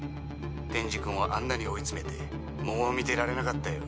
「天智くんをあんなに追い詰めてもう見てられなかったよ」